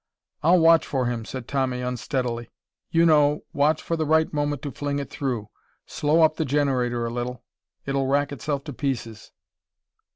"I'll watch for him," said Tommy unsteadily. "You know, watch for the right moment to fling it through. Slow up the generator a little. It'll rack itself to pieces."